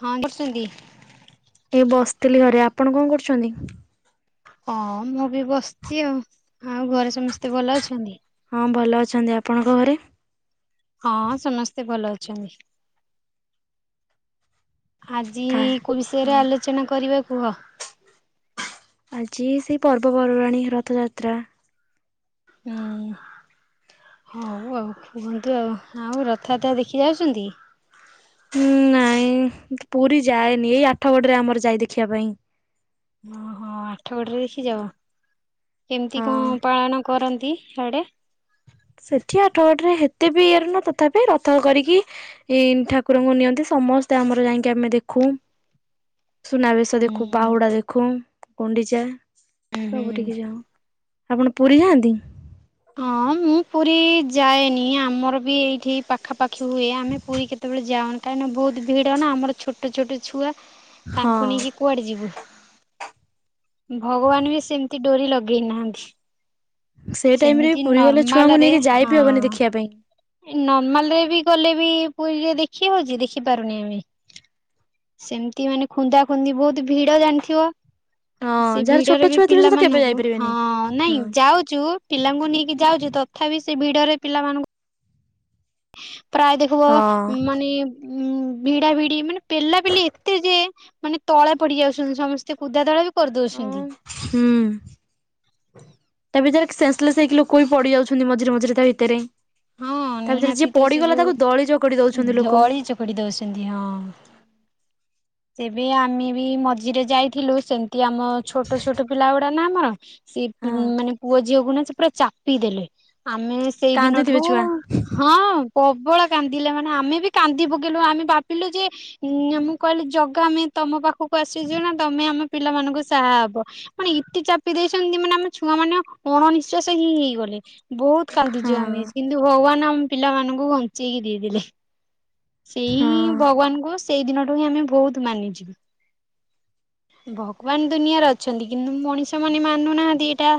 ହଁ ଦସନ୍ତି। ଏ ବସିଥିଲି ଘରେ ଆପଣ କଣ କରୁଛନ୍ତି? ହଁ ମୁଁ ବି ବସିଛି ଆଉ। ଆଉ ଘରେ ସମସ୍ତେ ଭଲ ଅଛନ୍ତି। ହଁ ଭଲ ଅଛନ୍ତି। ଆପଣଙ୍କ ଘରେ? ହଁ ସମସ୍ତେ ଭଲ ଅଛନ୍ତି। ଆଜି କା କୋ ବିଷୟରେ ହଁ ଆଲୋଚନା କରିବା କୁହ? ଆଜି ସେଇ ପର୍ବପର୍ବାଣୀ ରଥଯାତ୍ରା ହୁଁ ହଉ ଆଉ କୁହନ୍ତୁ ଆଉ ଆଉ ରଥଯାତ୍ରା ଦେଖିବାକୁ ଯାଉଛନ୍ତି। ହଁ ନାଇଁ ପୁରୀ ଯାଏନି, ଏଇ ଆଠଗଡ଼ରେ ଆମର ଯାଏ ଦେଖିବା ପାଇଁ। ଓହୋ ଆଠ ଗଡ଼ିରେ ଦେଖି ଯାଉ କେମିତି ହଁ କଣ ପାଳନ କରନ୍ତି ହାଡେ? ସେଠି ଆଠ ଗଠରେ ହେତେ ବି ଇଏରେ ନା ତଥାପି ରଥ କରିକି ଏଇ ଠାକୁରଙ୍କୁ ନିଅନ୍ତି ସମସ୍ତେ ଆମର ଯାଇକି ଆମେ ଦେଖୁ ସୁନାବେଶ ହୁଁ ଦେଖୁ ବାହୁଡା ଦେଖୁ ଗୁଣ୍ଡିଚା ହୁଁ ସବୁ ହୁଁ। ଟିକେ ଯାଉ। ଆପଣ ପୁରୀ ଯାଆନ୍ତି? ହଁ ମୁଁ ପୁରୀ ଯାଏନି, ଆମର ବି ଏଇଠି ପାଖାପାଖି ହୁଏ ଆମେ ପୁରୀ କେତେବେଳେ ଯାଉଁ ତହାନେ ବହୁତ ଭିଡ଼ ନା ଆମର ଛୋଟ ଛୋଟ ଛୁଆ ହଁ ତାଙ୍କୁ ନେଇକି କୁଆଡେ ଯିବୁ ଭଗବାନ ବି ସେମିତି ଡୋରି ଲଗେଇ ନାହାନ୍ତି। ସେ ଟାଇମ ରେ ସେମିତି ପୁରୀ ଗଲେ ନର୍ମାଲ ଛୁଆଙ୍କୁ ରେ ନେଇକି ଯାଇ ହଁ ବିି ହବନି ଦେଖିବା ପାଇଁ ନର୍ମାଲ ରେ ବି ଗଲେ ବି ପୁରୀରେ ଦେଖି ହଉଛି ଦେଖିପାରୁନି ଆମେ ସେମିତି ମାନେ ଖୁନ୍ଦା ଖୁନ୍ଦି ବହୁତ ଭିଡ ଜାଣିଥିବ? ହଁ ସେ ଯାହାର ଛୋଟ ଭିଡରେ ବି ଛୁଆ ଥିବେ ସେ ତ କେବେ ପିଲାମାନଙ୍କୁ ହଁ ଯାଇପାରିବେନି। ନାଇଁ ହଁ। ଯାଉଛୁ ପିଲାଙ୍କୁ ନେଇକି ଯାଉଛି ତଥାପି ସେ ଭିଡରେ ପିଲାମାନଙ୍କୁ ପ୍ରାୟ ଦେଖିବ ହଁ। ମାନେ ଉଁ ଭିଡା ଭିଡି ମାନେ ପେଲା ପେଲି ଏତେ ଯେ ମାନେ ତଳେ ପଡି ଯାଉଛନ୍ତି ସମସ୍ତେ କୁଦାଦଳା ବି କରିଦଉଛନ୍ତି। ହୁଁ। ତା ଭିତରେ ସେଂ ସେଲେସ ହେଇକି ଲୋକ ବି ପଡି ଯାଉଛନ୍ତି ମଝିରେ ମଝିରେ ତା ଭିତରେ ହଁ ତା ଭିତରେ ନିହାତି ଯିଏ ତ ସେ ପଡିଗଲା ତାକୁ ଦଳି ଚକ ଦଉଛନ୍ତି ଲୋକ। ପଡ଼ି ଦଉଛନ୍ତି ହଁ। ଏବେ ଆମେ ବି ମଝିରେ ଯାଇଥିଲୁ ସେମିତି ଆମ ଛୋଟ ଛୋଟ ପିଲା ଗୁଡା ନା ଆମର ସେ ମାନେ ପୁଅ ଝିଅକୁ ନା ସେ ପୁରା ଚାପି ଦେଲେ ଆମେ ସେଇ କାନ୍ଦୁଥିବେ ଦିନଠୁ ଛୁଆ। ହଁ ପ୍ରବଳ କାନ୍ଦିଲେ ମାନେ ଆମେ ବି କାନ୍ଦି ପକଲୁ ଆମେ ଭାବିଲୁ ଯେ ମ କହିଲେ ଜଗ ଆମେ ତମ ପାଖକୁ ଆସିଛୁ ନା ତମେ ଆମ ପିଲାମାନଙ୍କୁ ସାହା ହବ। ମାନେ ଇତେ ଚାପି ଦେଇଛନ୍ତି ମାନେ ଆମ ଛୁଆ ମାନେ ଅଣନିଶ୍ାସ ହିଁ ହେଇଗଲେ। ବହୁତ ହଁ କାନ୍ଦିଛୁ ଆମେ କିନ୍ତୁ ଭଗବାନ ଆମ ପିଲାମାନଙ୍କୁ ଘଞ୍ଚେଇକି ଦେଇଦେଲେ। ସେଇ ହଁ ଭଗବାନଙ୍କୁ ସେଇ ଦିନଠୁ ହିଁ ଆମେ ବହୁତ ମାନି ଛୁ। ଭଗବାନ ଦୁନିଆରେ ଅଛନ୍ତି କିନ୍ତୁ ମଣିଷ ମାନେ ମାନୁନାହାନ୍ତି ଏଇଟା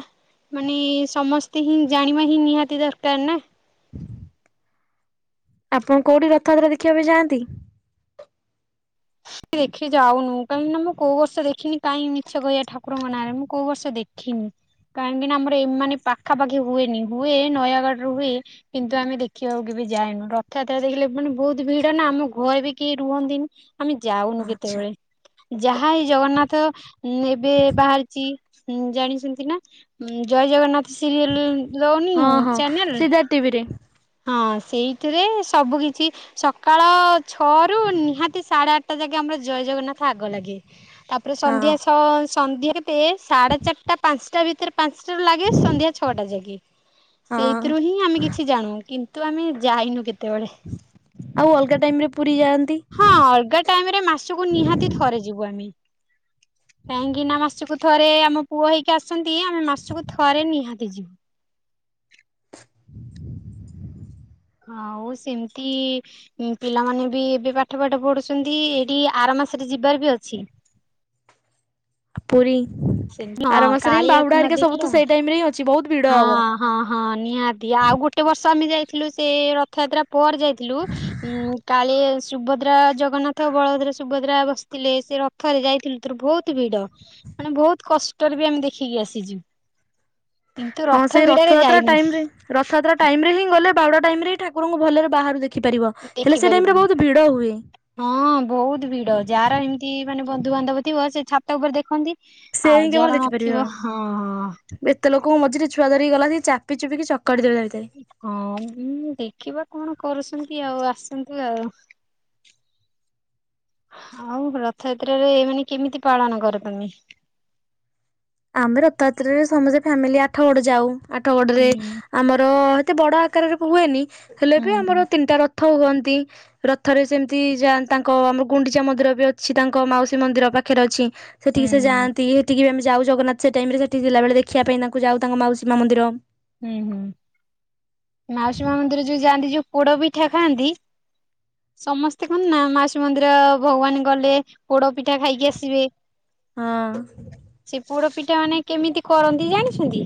ମାନେ ସମସ୍ତେ ହିଁ ଜାଣିବା ହିଁ ନିହାତି ଦରକାର ନା। ଆପଣ କୋଉଠି ରଥଯାତ୍ରା ଦେଖିବା ପାଇଁ ଯାଆନ୍ତି। ସେ ଦେଖି ଯାଉନୁ କାହିଁକି ନା ମୁଁଉ ବର୍ଷ ଦେଖିନି କାହିଁକି ମିଛ କହିବା ଠାକୁଙ୍କ ନାଁ ମୁଁଉ ବର୍ଷ ଦେଖି ଦେଖିନି କାହିଁକି ନା ଆମର ଏମାନେ ପାଖାପାଖି ହୁଏନି ହୁଏ ନୟାଗଡ଼ ରୁ ହୁଏ କିନ୍ତୁ ଆମେ ଦେଖିବାକୁ ବି ଯାଇନୁ ରଥଯାତ୍ରା ଦେଖିଲେ ମାନେ ବହୁତ ଭିଡ ନା ଆମ ଘରେ ବି କେହି ରୁହନ୍ତିନି। ଆମେ ଯାଉନୁ ଆଚ୍ଛା। କେତେବେଳେ। ଯାହା ଏହି ଜଗନ୍ନାଥ ଏବେ ବାହାରିଛି ଜାଣିଛନ୍ତି ନା। ଜୟ ଜଗନ୍ନାଥ ସିରିଏଲ ଦଉନି ହଁ ହଁ ଚ୍ୟାନେଲ। ସିଧା ଟିଭିରେ। ହଁ ସେଇଥିରେ ସବୁ କିଛି ସକାଳ ଛଅ ରୁ ନିହାତି ସାଢେ ଆଠଟା ଯାଗକେ ଆମର ଜୟ ଜଗନ୍ନାଥ ଆଗ ଲାଗେ ତାପରେ ହଁ। ସନ୍ଧ୍ୟା ଛଅ ସନ୍ଧ୍ୟା ଟେ ସାଢେ ଚାରିଟା ପାଞ୍ଚଟା ଭିତରେ ପାଞ୍ଚଟାରୁ ଲାଗେ ସନ୍ଧ୍ୟା ଛଅଟା ଯାକେ। ହଁ ସେଇଥିରୁ ହିଁ ଆମେ କିଛି ଜାଣୁ କିନ୍ତୁ ଆମେ ଯାଇନୁ କେତେବେଳେ। ଆଉ ଅଲଗା ଟାଇମ ରେ ପୁରୀ ଯାଆନ୍ତି? ହଁ ଅଲଗା ଟାଇମ ରେ ମାସକୁ ନିହାତି ଥରେ ଯିବୁ ଆମେ। କାହିଁକି ନା ମାସକୁ ଥରେ ଆମ ପୁଅ ହେଇକି ଆସନ୍ତି ଆମେ ମାସକୁ ଥରେ ନିହାତି ଯିବୁ। ହଉ ସେମିତି ଉଁ ପିଲାମାନେ ବି ଏବେ ପାଠ ପାଠ ପଢୁଛନ୍ତି ଏଇଠି ଆର ମାସରେ ଯିବାର ବି ଅଛି। ପୁରୀ, ସେମିତି ଆର ହଁ ମାସରେ ହିଁ କାଳିଆକୁ ବାହୁଡା ନ ହେରିକା ସବୁ ଦେଖିଲେ ତ ହବନି। ସେଇ ଟାଇମ ରେ ହଁ ଅଛି। ବହୁତ ଭିଡ ହଁ ହବ। ହଁ ହଁ ନିହାତି। ଆଉ ଗୋଟେ ବର୍ଷ ଆମେ ଯାଇଥିଲୁ ସେ ରଥଯାତ୍ରା ପରେ ଯାଇଥିଲୁ ଉଁ କାଳେ- ସୁଭଦ୍ରା, ଜଗନ୍ନାଥ, ବଳଭଦ୍ର, ସୁଭଦ୍ରା ବସିଥିଲେ ସେ ରଥରେ ଯାଇଥିଲେୁ ଥର ବହୁତ ଭିଡ। ମାନେ ବହୁତ କଷ୍ଟରେ ବି ଆମେ ଦେଖିକି ଆସିଛୁ। କିନ୍ତୁ ହଁ ରଥ ସେଇ ଭିଡରେ ରଥଯାତ୍ରା ଯାଇନୁ ଟାଇମ ରେ ରଥ ରଥଯାତ୍ରା ଟାଇମ ରେ ହିଁ କ ବାହୁଡ଼ା ଟାଇମରେ ହିଁ ଠାକୁରଙ୍କୁ ଭଲରେ ବାହାରୁ ଦେଖି ଦେଖିପାରିବ, ହେଲେ ସେ ଦେଖିପାରିବୁ। ଟାଇମରେ ବହୁତ ଭିଡ ହୁଏ। ହଁ ବହୁତ ଭିଡ। ଯାହାର ଏମିତି ମାନେ ବନ୍ଧୁବାନ୍ଧବ ଥିବ ସେ ଛାତ ଉପରେ ଦେଖନ୍ତି। ସେ ହିଁ ଆଉ କେବଳ ଯାର ଦେଖିପାରିବା। ନଥିବ ହଁ ହଁ। ଏତେ ଲୋକଙ୍କ ମଝିରେ ଛୁଆ ଧରିକି ଗଲାସିକି ଚାପି ଚୁପିକି ଚକଟି ଦେବେ ହେଇଥିରେ। ହଁଁ ଦେଖିବା କଣ କରୁଛନ୍ତି ଆଉ ଆସନ୍ତୁ ଆଉ। ଆଉ ରଥଯାତ୍ରାରେ ମାନେ କେମିତି ପାଳନ କର ତମେ? ଆମେ ରଥଯାତ୍ରାରେରେ ସମସ୍ତେ ଫ୍ୟାମିଲି ଆଠଗଡ ଯାଉ ଆଠଗଡରେ ହୁଁ ଆମର ଏତେ ବଡ ଆକାରରେ ବି ହୁଏନି ହେଲେ ହୁଁ ବି ଆମର ତିନିଟା ରଥ ହୁଅନ୍ତି। ରଥରେ ସେମିତି ଯାନ୍ତ ତାଙ୍କ ଆମର ଗୁଣ୍ଡିଚା ମନ୍ଦିର ବି ଅଛି ତାଙ୍କ ମାଉସୀ ମନ୍ଦିର ପାଖରେ ଅଛି। ହୁଁ ସେଠିକି ସେ ହୁଁ ଯାଆନ୍ତି। ହେଠିକି ବି ଆମେ ଯାଉ ଜଗନ୍ନାଥ ସେ ଟାଇମରେ ସେଠିି ଥିଲାବେଳେ ଦେଖିବା ପାଇଁ ତାଙ୍କୁ ଯାଉ ତାଙ୍କ ମାଉସୀ ମା ମନ୍ଦିର। ହୁଁ ହୁଁ। ମାଉସୀ ମା ମନ୍ଦିର ଯୋଉ ଯାଆନ୍ତି ଯୋଉ ପୋଡ ପିଠା ଖାଆନ୍ତି ସମସ୍ତେ କହନ୍ତି ନା ମାଉସି ମନ୍ଦିର ଭଗବାନ ଗଲେ ପୋଡ ପିଠା ଖାଇକି ଆସିବେ। ହଁ। ସେ ପୋଡ ପିଠା ମାନେ କେମିତି କରନ୍ତି ଜାଣିଛନ୍ତି?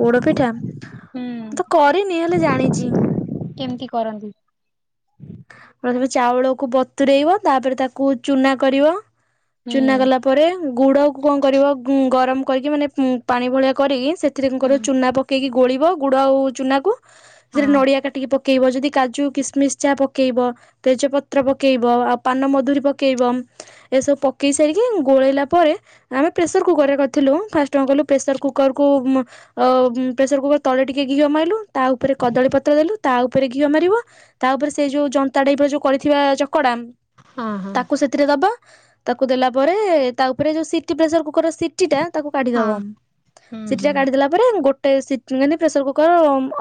ପୋଡ ପିଠା? ମୁଁ ତ କରିନି ହେଲେ ଜାଣିଛି। କେମତି କରନ୍ତି? ପ୍ରଥମେ ଚାଉଳକୁ ବତୁରେଇବ ତାପରେ ତାକୁ ଚୁନା କରିବ। ହୁଁ ଚୁନା କଲା ପରେ ଗୁଡକୁ କଣ କରିବ ଗୁଁ ଗରମ କରିକି ମାନେ ଉଁ ପାଣି ଭଳିଆ କରିକି ସେଥିରେ କଣ ହୁଁ କରିବ ଚୁନା ପକେଇକି ଗୋଳିବ ଗୁଡ଼ ଆଉ ଚୁନାକୁ। ହଁ। ସେଥିରେ ନଡିଆ କାଟିକି ପକେଇବ ଯଦି କାଜୁ, କିସମିସ ଯାହା ପକ ପକେଇବ ତେଜ ପତ୍ର ପକେଇବ ଆଉ ପାନ ମଧୁରୀ ପକେଇବ। ଏସବୁ ପକେଇ ସାରିକି ଗୋଳେଇଲା ପରେ ଆମେ ପ୍ରେସର କୁକର ରେ କରିଥିଲୁ। ଫାଷ୍ଟ କଣ କଲୁ ପ୍ରେସର କୁକର କୁ ଉଁ ଅ ପ୍ରେସର କୁକର ତଳେ ଟିକେ ଘିଅ ମାଇଲୁ ତା ଉପରେ କଦଳୀ ପତ୍ର ଦେଲୁ ତା ଉପରେ ଘିଅ ମାରିବ। ତା ଉପରେ ସେ ଯୋଉ ଜନ୍ତା ଟାଇପ ର ଯୋଉ କରିଥିବା ଚକଡା ହଁ ହଁ ତାକୁ ସେଥ ଥିରେ ଦବ। ତାକୁ ଦେଲା ପରେ ତା ଉପରେ ଯୋଉ ସିଟି ପ୍ରେସର କୁକର ର ସିଟି ଟିଟା ତାକୁ କାଢିଦବ ହଁ ହୁଁ ସିଟିଟା ହୁଁ କାଢିଦେଲା ପ ପରେ ଗୋଟେ ସିଟି ମାନେ ପ୍ରେସର କୁକର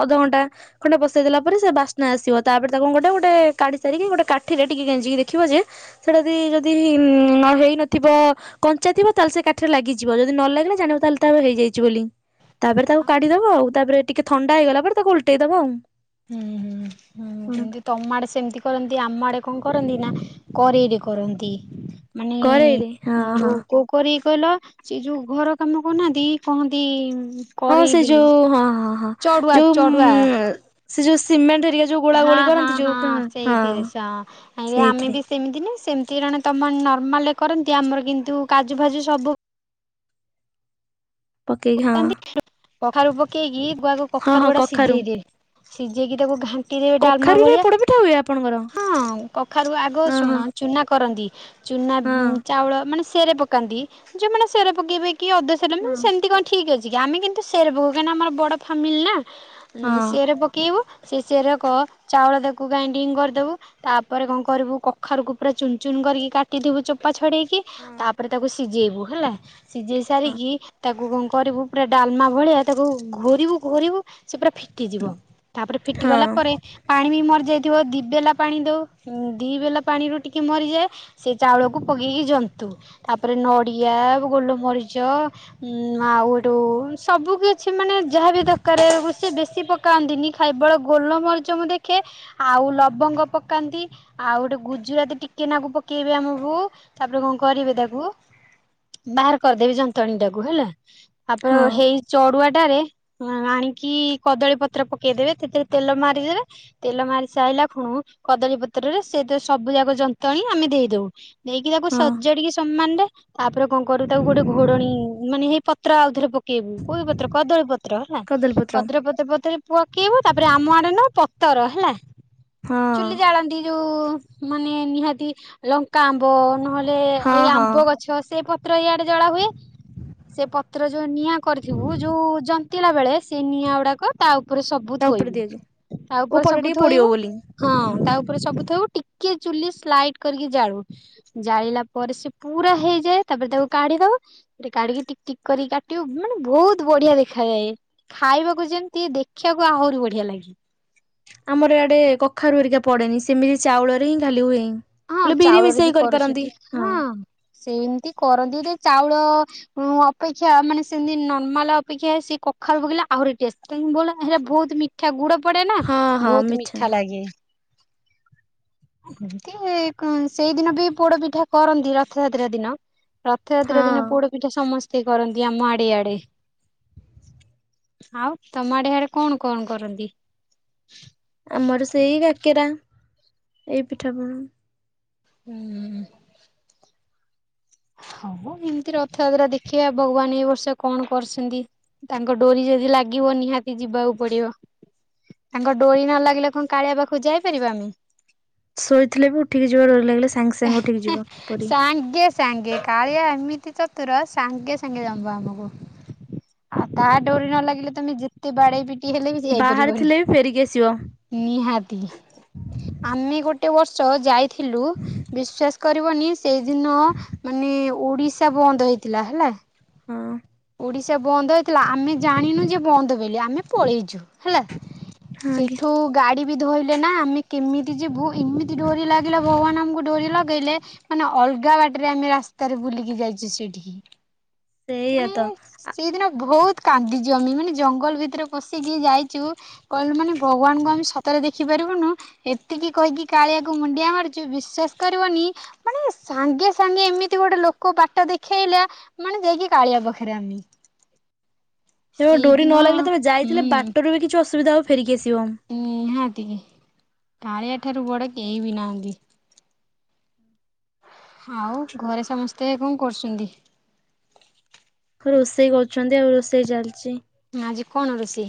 ଅଧଘଣ୍ଟା ଖଣ୍ଡେ ବସେଇଦଲା ପରେ ସେ ବାସ୍ନା ଆସିବ। ତାପରେ ତାକୁ କଣ କ କାଢି ସାରିକି ଗୋଟେ କାଠିରେ ଟିକେ ଗେଂଜିକି ଦେଖିବ ଯେ ସେଟା ଯଦି ଯଦି ନ ହେଇନଥିବ କଞ୍ଚା ଥିବ ତାହେଲେ ସେ କାଠିରେ ଲାଗିଯିବ ଯଦି ନ ଲାଗିଲା ଜାଣିବ ତାହେଲେ ତା ହେଇଯାଇଛି ବୋଲି। ତାପରେ ତାକୁ କାଢିଦବ ଆଉ ତାପରେ ଟିକେ ଥଣ୍ଡା ହେଇଗଲା ପରେ ତାକୁ ଉଲଟେଇଦବ ଆଉ। ହୁଁ ହୁଁ ହୁଁ କିନ୍ତୁ ତମ ଆଡେ ସେମିତି କରନ୍ତି ଆମ ଆଡେ କଣ କରନ୍ତି ନା କରେଇରେ କରନ୍ତି। ମାନେ କରେଇରେ ହଁ ହଁ। ଯୋଉ କଉ କରି କହିଲ ସେ ଯୋଉ ଘର କାମ କରୁନାହାନ୍ତି କହନ୍ତି ହଁ କରେଇ ସେ ବୋଲି ଯୋଉ ହଁ ହଁ ହଁ ଚଡ଼ୁଆ ଯୋଉ ଚଡ଼ୁଆ ଉ ସେ ଯୋଉ ସିମେଣ୍ଟ ହେରିକା ଯୋଉ ଗୋଳା ହଁ ଗୋଳି ହଁ କରନ୍ତି ଯୋଉ ହଁ କା- ହଁ ସେଇଥିରେ ସ ଆମେ ସେଇଥିରେ ବି ସେମିତି ନୁହେଁ ସେମିତି ଜଣେ ତମଆଡେ ନର୍ମାଲ ରେ କରନ୍ତି ଆମର କିନ୍ତୁ କାଜୁ ଫାଜୁ ସବୁ ପକେଇ କି ହଁ। କଖାରୁ ପକେଇକି ଗୁଆକୁ ହଁ କଖାରୁ ହଁ ଗୁଡା ସିଝେଇ ଦିଏ ସିଝେଇକି ତାକୁ ଘାଣ୍ଟି ରୁଟିରେ ଡାଲମା କଖାରୁରେ ଭଳିଆ ପୋଡପିଠା ହୁଏ ଆପଣଙ୍କର ହଁ କଖାରୁ ଆଗ ହଁ ହଁ ଶୁଣ ଚୂନା କରନ୍ତି ଚୂନା ହଁ ଚାଉଳ ମାନେ ସେରେ ପକାନ୍ତି ଯେଉଁମାନେ ସେରେ ପକେଇବେ କି ଅଧେ ସେରେ ମାନେ ହଁ ସେମିତି କଣ ଠିକ୍ ଅଛି କି ଆମେ କିନ୍ତୁ ସେରେ ପକଉ ନା କାହିଁକିନା ଆମର ବଡ଼ ଫାମିଲି ନା। ହଁ ସେରେ ପକେଇବୁ ସେ ସେରେ କ ଚାଉଳ ତାକୁ ଗ୍ରାଇଣ୍ଡିଙ୍ଗ କରିଦେବୁ ତାପରେ କଣ କରିବୁ କଖାରୁକୁ ପୁରା ଚୁନ ଚୁନ କରିକି କାଟିଥିବୁ ଚୋପା ଛଡ଼େଇକି। ତାପରେ ତାକୁ ସିଝେଇବୁ ହେଲା। ସିଝେଇ ହଁ ସାରିକି ତାକୁ କଣ କରିବୁ ପୁରା ଡାଲମା ଭଳିଆ ତାକୁ ଘୋରିବୁ ଘୋରିବୁ ସେ ପୁରା ଫିଟିଯିବ ତାପରେ ଫିଟି ହଁ ଗଲା ପରେ ପାଣି ବି ମରିଯାଇଥିବ ଦି ବେଲା ପାଣି ଦେଉ ଦି ବେଲା ପାଣିରୁ ଟିକେ ମରିଯାଏ ସେ ଚାଉଳକୁ ପକେଇକି ଜନ୍ତୁ ତାପରେ ନଡ଼ିଆ, ଗୋଲମରିଚ ଉ [unintelligible] ସବୁ କିଛି ମାନେ ଯାହାବି ଦରକାର ସେ ବେଶୀ ପ କାନ୍ଦିଲି ଖାଇବେଳେ ଗୋଲମରିଚ ମୁ ଦେଖେ ଆଉ ଲବଙ୍ଗ ପକାନ୍ତି। ଆଉ ଗୋଟେ ଗୁଜୁରାତି ଟିକେ ନାକୁ ପକେଇବେ ଆମ ବୋଉ ତାପରେ କଣ କରିବେ ତାକୁ ବାହାର କରିଦେବି ଯନ୍ତୁଆଣି ଟାକୁ ହେଲା ତାପରେ ହଁ ହେଇ ଚଡୁଆଟାରେ ଆଣିକି କଦଳୀ ପତ୍ର ପକେଇଦବେ ସେଥିରେ ତେଲ ମାରିଦେବେ ତେଲ ମାରିସାଇଲା ଖୁଣୁ କଦଳୀ ପତ୍ରରେ ସେ ସବୁ ଯାକ ଯନ୍ତୁଆଣି ଆମେ ଦେଇଦଉ। ନେଇକି ତାକୁ ହଁ ସଜାଡିକି ସମାନ ରେ ତାପରେ କଣ କରୁ ତାକୁ ଗୋଟେ ଘୋଡଣୀ ମାନେ ହେଇ ପତ୍ ପତ୍ର ଆଉଥରେ ପକେଇବୁ କୋଉି ପତ୍ର କଦଳୀ ପତ୍ର ହେଲା କଦଳୀପତ୍ର କଦ୍ର ପତ୍ର ପ ପକେଇବୁ ତାପରେ ଆମ ଆଡେ ନ ପତର ହେଲା ହଁ ଚୁଲି ଜାଳନ୍ତି ଯୋଉ ମାନେ ନିହାତି ଲଙ୍କା ଆମ୍ବ ନହେଲେ ହଁ ଏଇ ଆମ୍ବ ହଁ ଗଛ ସେ ପତ୍ର ଇଆଡେ ଜଳା ହୁଏ ସେ ପତ୍ର ଯୋଉ ନିଆଁ କରିଥିବୁ ଯୋଉ ଜ ଜନ୍ତିଲା ବେଳେ ସେ ନିଆଁ ଗୁଡ଼ାକ ତା ଉପରେ ସବୁ ତା ଉପରେ ଥୋଇବୁ ଦିଆଯାଏ ତା ଉପରେ ଉପରଟା ସବୁ ଟିକେ ପୋଡିବ ଥୋଇବୁ ବୋଲି ହଁ ତା ହୁଁ ଉପରେ ଉପରେ ସବୁ ଥୋଇବୁ ଟିକେ ଚୁଲି ସ୍ଲାଇଡ କରିକି ଜାଳୁ ଜାଳିଲା ପରେ ସେ ପୁରା ହେଇଯାଏ ତାପରେ ତାକୁ କାଢିଦବ କାଢିକି ଟିକ ଟିକ କରିକି କାଟିବୁ ମାନେ ବହୁତ ବଢିଆ ଦେଖାଯାଏ। ଖାଇବାକୁ ଯେମତି ଦେଖିବାକୁ ଆହୁରି ବଢିଆ ଲାଗେ। ଆମର ଏଆଡେ କଖାରୁ ହେରିକା ପଡେନି ସେମିତି ଚାଉଳରେ ହିଁ ଖାଲି ହୁଏ। ହଁ ହେଲେ ବିରି ଚାଉଳରେ ମିଶାଇ ବି କରିପାରନ୍ତି କରୁଛନ୍ତି ହଁ ସେମିତି କରନ୍ତି ଯେ ଚାଉଳ ମୁଁ ଅପେକ୍ଷା ମାନେ ସେମିତି ନର୍ମାଲ ଅପେକ୍ଷା ସେ କଖାରୁ ପକେଇଲେ ଆହୁରି ଟେଷ୍ଟେ ବୋଳା ହେ ବହୁତ ମିଠା। ମିଠା ଗୁଡ ପଡେ ନା ହଁ ହଁ ବହୁତ ମିଠା ଲାଗେ। ଏମିତି ସେଇଦିନ ବି ପୋଡ ପିଠା କରନ୍ତି ରଥଯାତ୍ରା ଦିନ। ରଥଯାତ୍ରା ଦିନ ହଁ ପୋଡ ପିଠା ସମସ୍ତେ କରନ୍ତି ଆମ ଆଡେ ଇଆଡେ। ଆଉ ତମଆଡେ ହିଆଡେ କଣ କଣ କରନ୍ତି? ଆମର ସେଇ କାକେରା ଏଇ ପିଠାପଣା। ହୁଁ। ହଁ ଏମିତି ରଥଯାତ୍ରା ଦେଖିବା ଭଗବାନ ଏଇ ବର୍ଷ କଣ କରୁଛନ୍ତି। ତାଙ୍କ ଡୋରି ଯଦି ଲାଗିବ ନିହାତି ଯିବାକୁ ପଡିବ। ତାଙ୍କ ଡୋରି ନ ଲାଗିଲେ କଣ କାଳିଆ ପାଖକୁ ଯାଇପାରିବା ଆମେ। ଶୋଇଥିଲେ ବି ଉଠିକି ଯିବା ଡୋରି ଲାଗିଲେ। ସାଙ୍ଗେ ସାଙ୍ଗେ ଉଠିକି ଯିବ ପରି। ସାଙ୍ଗେ ସାଙ୍ଗେ କାଳିଆ ଏମିତି ଚତୁର ସାଙ୍ଗେ ସାଙ୍ଗେ ନବ ଆମକୁ। ଆଉ ତାହା ଡୋରି ନ ଲାଗିଲେ ତମେ ଯେତେ ବାଡେଇ ପିଟି ହେଲେ ବି ସେ ବାହାରେ ଯାଇପାରିବନି। ଥିଲେ ବି ଫେରିକି ଆସିବ ନିହାତି, ଆମେ ଗୋଟେ ବର୍ଷ ଯାଇଥିଲୁ। [unintelligible] କରିବନି ସେଇଦିନ ମାନେ ଓଡିଶା ବନ୍ଦ ହେଇଥିଲା ହେଲା। ହଁ। ଓଡିଶା ବନ୍ଦ ହେଇଥିଲା ଆମେ ଜାଣିନୁ ଯେ ବନ୍ଦ ବୋଲି ଆମେ ପଳେଇଛୁ ହେଲା। ଆଜ୍ଞା। ସେଠୁ ଗାଡି ବି ଧୋଇଲେ ନା ଆମେ କେମିତି ଯିବୁ ଏମିତି ଡୋରି ଲାଗିଲା ଭଗବାନ ଆମକୁ ଡୋରି ଲଗେଇଲେ। ମାନେ ଅଲଗା ବାଟରେ ଆମେ ରାସ୍ତାରେ ବୁଲିକି ଯାଇଛୁ ସେଇଠିକି। ସେଇଆ ମାନେ ତ କେବଳ ସେଇଦିନ ବହୁତ କାନ୍ଦିଛୁ ଆମେ ମାନେ ଜଙ୍ଗଲ ଭିତରେ ପଶିକି ଯାଇଛୁ। କହିଲେ ମାନେ ଭଗବାନଙ୍କୁ ଆମେ ସତରେ ଦେଖିପାରିବୁନୁ। ଏତିକି କହିକି କାଳିଆକୁ ମୁଣ୍ଡିଆ ମାରୁଛୁ ବିଶ୍ଵାସ କରିବନି। ମାନେ ସାଙ୍ଗେ ସାଙ୍ଗେ ଏମିତି ଗୋଟେ ଲୋକ ବାଟ ଦେଖେଇଲା ମାନେ ଯାଇକି। କାଳିଆ ପାଖରେ ଆମେ। [unintelligible] ଡୋରି ସେଇଦିନ ନ ଲାଗିଲେ ତମେ ହୁଁ ଯାଇଥିଲେ ବାଟରୁ ବି କିଛି ଅସୁବିଧା ହବ ଫେରିକି ଆସିବ। ନିହାତି କାଳିଆ ଠାରୁ ବଡ କେହି ବି ନାହାଁନ୍ତି। ଆଉ ଘରେ ସମସ୍ତେ କଣ କରୁଛନ୍ତି? ରୋଷେଇ କରୁଛନ୍ତି ଆଉ ରୋଷେଇ ଚାଲିଛି। ଆଜି କଣ ରୋଷେଇ?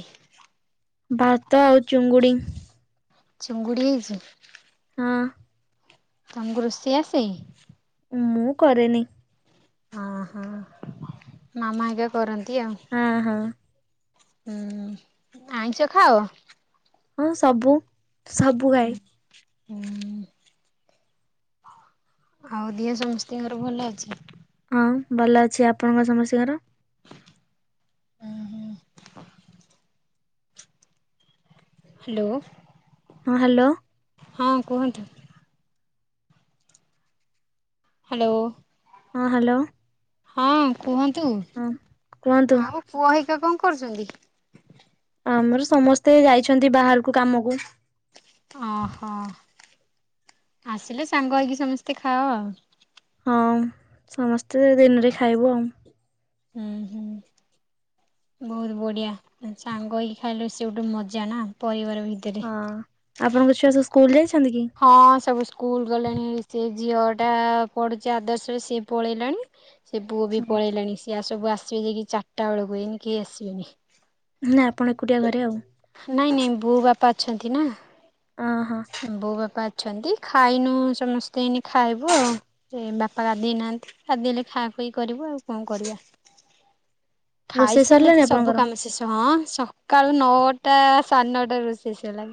ଭାତ ଆଉ ଚିଙ୍ଗୁଡ଼ି। ଚିଙ୍ଗୁଡ଼ି ହେଇଛି। ହଁ। ତମକୁ ରୋଷେଇ ଆସେ? ମୁଁ କରେନି। ଅ ହଁ ମାମା ଆଜ୍ଞା କରନ୍ତି ଆଉ। ହଁ ହଁ। ହୁଁ ଆଇଁଷ ଖାଅ। ହଁ ସବୁ ସବୁ ଖାଏ। ହୁଁ। ଆଉ ଦିହ ସମସ୍ତିଙ୍କର ଭଲ ଅଛି? ହଁ ଭଲ ଅଛି। ଆପଣଙ୍କ ସମସ୍ତିଙ୍କର? ଉଁ ହୁଁ। ହାଲୋ। ହଁ ହାଲୋ। ହଁ କୁହନ୍ତୁ। ହାଲୋ। ହଁ ହାଲୋ। ହଁ କୁହନ୍ତୁ କୁହନ୍ତୁ ଆଉ ପୁଅ ହେଇକା କଣ କରୁଛନ୍ତି? ଆମର ସମସ୍ତେ ଯାଇଛନ୍ତି ବାହାରକୁ କାମକୁ। ଓହୋ ଆସିଲେ ସାଙ୍ଗ ହେଇକି ସମସ୍ତେ ଖାଅ। ହଁ ସମସ୍ତେ ଦିନରେ ଖାଇବୁ ଆଉ। ଉଁ ହୁଁ। ବହୁତ ବଢିଆ ସାଙ୍ଗ ହେଇକି ଖାଇଲେ ସିଏ ଗୋଟେ ମଜା ନା ପରିବାର ଭିତ ହଁ। ଆପଣଙ୍କ ଛୁଆ ସବୁ ସ୍କୁଲ ଯାଇଛନ୍ତି କି? ହଁ ସବୁ ସ୍କୁଲ ଗଲେଣି ସେ ଝିଅ ଟା ପଢୁଛି ଆଦର୍ଶରେ ସିଏ ପଳେଇଲାଣି। ସେ ପୁଅ ବି ପଳେଇଲାଣି ସିଏ ଆ ସବୁ ଆସିବେ ଯାଇକି ଚାରିଟା ବେଳକୁ ଏଇନେ କେହି ଆସିବେନି। ନାଁ ଆପଣ ଏକୁଟିଆ ଘରେ ଆଉ। ନାଇଁ ନାଇଁ ବୋଉ, ବାପା ଅଛନ୍ତି ନା। ଅ ହଁ। ବୋଉ, ବାପା ଅଛନ୍ତି ଖାଇନୁ ସମସ୍ତେ ଏଇନେ ଖାଇବୁ ଆଉ। ସେ ବାପା ଗାଧେଇ ନାହାନ୍ତି ଗାଧେଇଲେ ଖା ଖୁଇ କରିବୁ ଆଉ କଣ କରିବା। ରୋଷେଇ ଖାଇସାରିଲେ ସରିଲାଣି ତ ସବୁ ଆପଣଙ୍କର କାମ ଶେଷ ହଁ ସକାଳୁ ନଅ ଟା ସା ନଅଟାରୁ ରୋଷେଇ ସରିଲାଣି।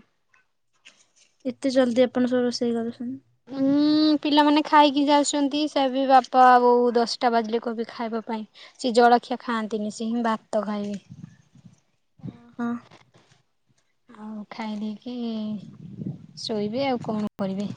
ଏତେ ଜଲ୍ଦି ଆପଣ ଙ୍କ ରୋଷେଇ କରୁଛନ୍ତି। ହୁଁ। ପିଲାମାନେ ଖାଇକି ଯାଉଛନ୍ତି ସେ ବି ବାପା ବୋଉ ଦଶଟା ବାଜିଲେ କହିବେ ଖାଇବା ପାଇଁ। ସିଏ ଜଳଖିଆ ଖାଆନ୍ତିନି ସେ ହିଁ ଭାତ ଖାଇବେ। ଓହୋ ଆଉ ଖାଇ ଦେଇକି ଶୋଇବେ ଆଉ କଣ କରିବେ।